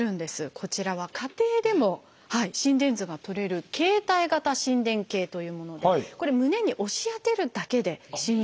こちらは家庭でも心電図がとれる「携帯型心電計」というものでこれ胸に押し当てるだけで心電図がとれるという。